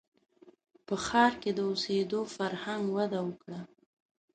• په ښار کې د اوسېدو فرهنګ وده وکړه.